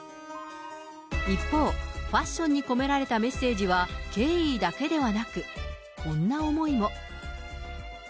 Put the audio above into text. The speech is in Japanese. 一方、ファッションに込められたメッセージは、敬意だけではなく、こんな思いも。